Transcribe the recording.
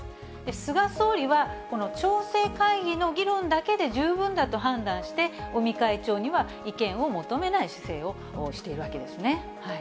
菅総理は、この調整会議の議論だけで十分だと判断して、尾身会長には意見を求めない姿勢をしているわけですね。